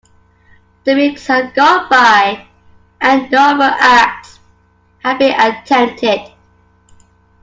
The weeks had gone by, and no overt acts had been attempted.